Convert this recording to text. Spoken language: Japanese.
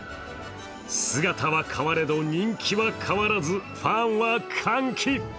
姿は変われど人気は変わらずファンは歓喜。